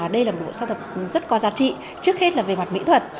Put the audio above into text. đây là một sát tập rất có giá trị trước hết là về mặt mỹ thuật